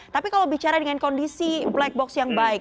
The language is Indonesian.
tapi kalau bicara dengan kondisi black box yang baik